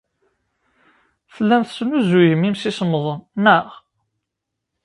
Tellam tesnuzuyem imsisemḍen, naɣ?